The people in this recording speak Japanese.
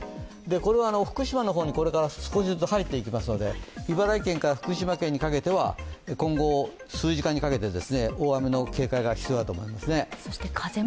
これは福島の方にこれから少しずつ入っていきますので茨城県から福島県にかけては、今後数時間にかけて大雨の警戒が必要だと思います。